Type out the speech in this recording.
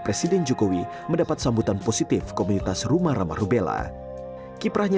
presiden jokowi mendapat sambutan positif komunitas rumah ramah rubella kiprahnya